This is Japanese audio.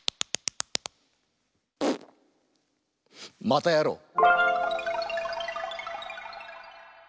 またやろう！